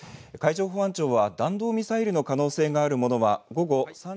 海上保安庁は弾道ミサイルの可能性があるものは。